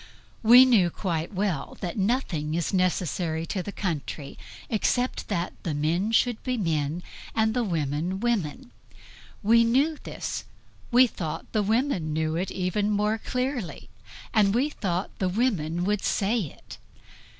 We knew quite well that nothing is necessary to the country except that the men should be men and the women women. We knew this; we thought the women knew it even more clearly; and we thought the women would say it.